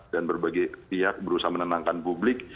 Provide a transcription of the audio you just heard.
dan berbagai pihak berusaha menenangkan publik